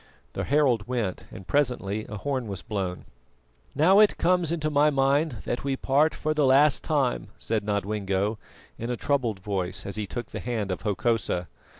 The herald went, and presently a horn was blown. "Now it comes into my mind that we part for the last time," said Nodwengo in a troubled voice as he took the hand of Hokosa.